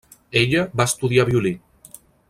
Ella va estudiar violí.